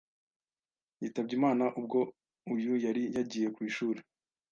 yitabye Imana ubwo uyu yari yagiye ku ishuri